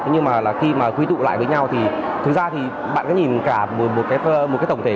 nhưng mà khi mà quy tụ lại với nhau thì thực ra thì bạn cứ nhìn cả một cái tổng thể